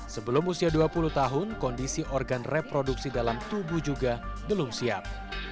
sebelum usia dua puluh tahun kondisi organ reproduksi dalam tubuh juga belum siap